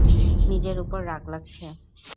নিজের উপর রাগ লাগছে।